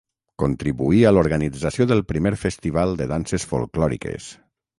Contribuí a l'organització del primer Festival de Danses Folklòriques.